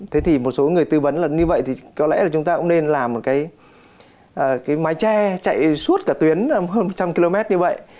thế thì một số người tư vấn là như vậy thì có lẽ là chúng ta cũng nên làm một cái mái tre chạy suốt cả tuyến hơn một trăm linh km như vậy